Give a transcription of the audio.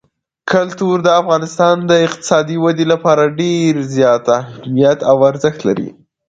کلتور د افغانستان د اقتصادي ودې لپاره ډېر زیات اهمیت او ارزښت لري.